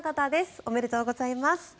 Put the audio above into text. おめでとうございます。